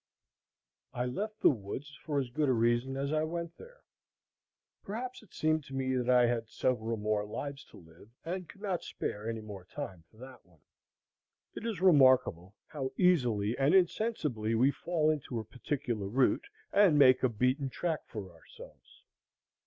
I left the woods for as good a reason as I went there. Perhaps it seemed to me that I had several more lives to live, and could not spare any more time for that one. It is remarkable how easily and insensibly we fall into a particular route, and make a beaten track for ourselves.